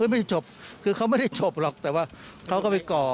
ไม่จบคือเขาไม่ได้จบหรอกแต่ว่าเขาก็ไปก่อ